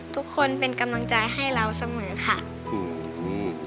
ทุกคนเป็นกำลังใจให้เราเสมอค่ะอืม